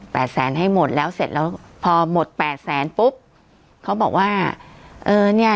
แสนให้หมดแล้วเสร็จแล้วพอหมดแปดแสนปุ๊บเขาบอกว่าเออเนี้ย